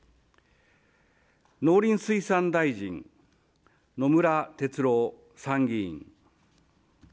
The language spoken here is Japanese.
農林水産大臣、野村哲郎参議院。